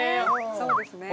そうですね